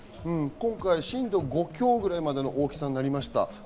今回、震度５強くらいまでの大きさになりました。